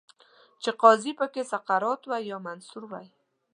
چې قاضي پکې سقراط وای، یا منصور وای